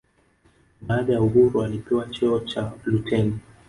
baada ya uhuru alipewa cheo cha luteni